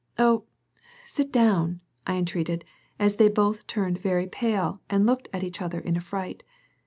Oh, sit down," I entreated, as they both turned very pale and looked at each other in affright.